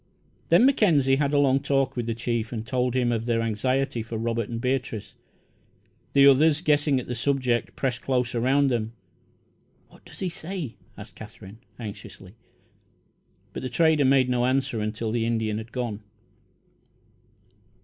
Then Mackenzie had a long talk with the chief and told him of their anxiety for Robert and Beatrice. The others, guessing at the subject, pressed close around them. "What does he say?" asked Katherine, anxiously; but the trader made no answer until the Indian had gone.